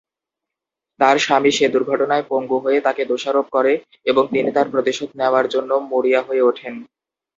তার স্বামী সে দুর্ঘটনায় পঙ্গু হয়ে তাকে দোষারোপ করে এবং তিনি তার প্রতিশোধ নেওয়ার জন্য মরিয়া হয়ে ওঠেন।